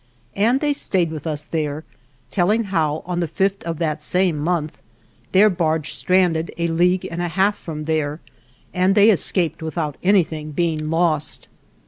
And they stayed with us there, telling how, on the fifth of that same month, their barge strand ed a league and a half from there, and they escaped without anything being lost.